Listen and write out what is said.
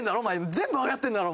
全部わかってるんだろ？